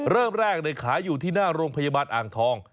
เริ่มแรกเลยขายอยู่ที่หน้าโรงพยาบาลอ่างทอง